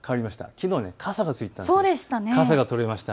きのうは傘がついていたんですが傘が取れました。